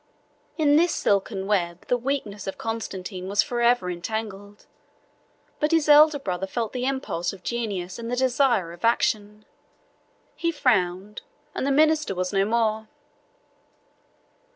In this silken web, the weakness of Constantine was forever entangled; but his elder brother felt the impulse of genius and the desire of action; he frowned, and the minister was no more.